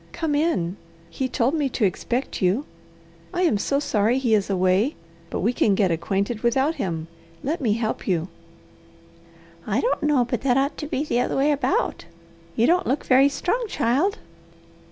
"Come in. He told me to expect you. I am so sorry he is away, but we can get acquainted without him. Let me help you." "I don't know but that ought to be the other way about. You don't look very strong, child."